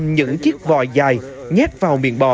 những chiếc vòi dài nhét vào miền bò